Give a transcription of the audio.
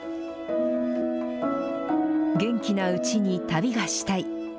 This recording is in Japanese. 元気なうちに旅がしたい。